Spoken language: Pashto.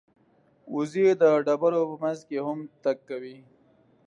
وزې د ډبرو په منځ کې هم تګ کوي